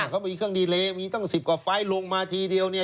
เขามีเครื่องดีเลมีตั้ง๑๐กว่าไฟล์ลงมาทีเดียวเนี่ย